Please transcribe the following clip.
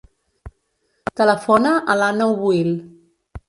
Telefona a l'Àneu Buil.